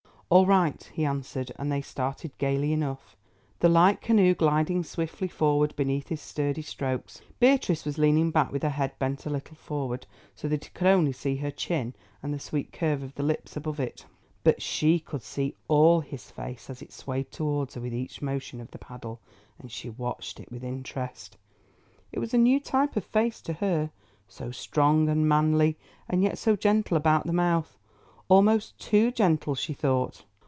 "All right," he answered, and they started gaily enough, the light canoe gliding swiftly forward beneath his sturdy strokes. Beatrice was leaning back with her head bent a little forward, so that he could only see her chin and the sweet curve of the lips above it. But she could see all his face as it swayed towards her with each motion of the paddle, and she watched it with interest. It was a new type of face to her, so strong and manly, and yet so gentle about the mouth—almost too gentle she thought.